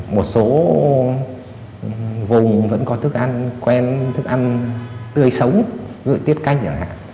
một số vùng vẫn có thức ăn quen thức ăn tươi sống như tiết canh chẳng hạn